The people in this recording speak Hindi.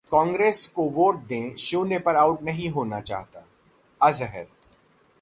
कांग्रेस को वोट दें, शून्य पर आउट नहीं होना चाहता: अजहर